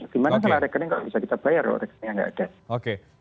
gimana salah rekening kalau bisa kita bayar kalau rekeningnya tidak ada